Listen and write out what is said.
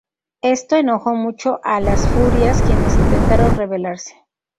Esto enojó mucho a las furias quienes intentaron rebelarse.